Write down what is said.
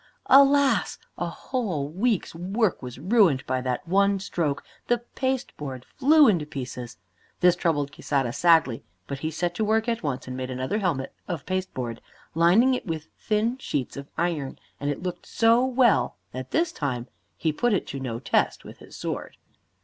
Alas! a whole week's work was ruined by that one stroke; the pasteboard flew into pieces. This troubled Quixada sadly, but he set to work at once and made another helmet of pasteboard, lining it with thin sheets of iron, and it looked so well that, this time, he put it to no test with his sword.